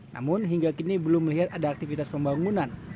namun hingga kini belum melihat ada aktivitas pembangunan